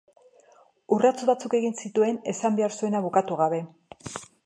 Urrats batzuk egin zituen esan behar zuena bukatu gabe.